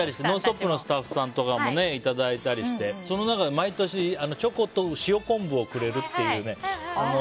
「ノンストップ！」のスタッフさんからもいただいたりしてその中で毎年、チョコと塩昆布をくれるというね。